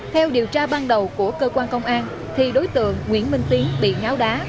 theo điều tra ban đầu của cơ quan công an thì đối tượng nguyễn minh tiến bị ngáo đá